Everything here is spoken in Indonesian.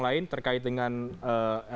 lain terkait dengan elektronik